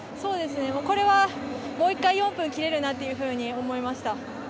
これは、もう１回４分切れるなというふうに思いました。